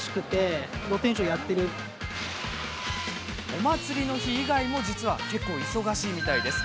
お祭りの日以外も実は結構忙しいみたいですよ。